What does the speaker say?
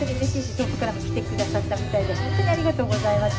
遠くからも来てくださったみたいで、本当にありがとうございます。